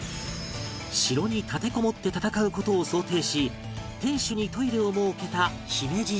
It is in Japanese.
城に立てこもって戦う事を想定し天守にトイレを設けた姫路城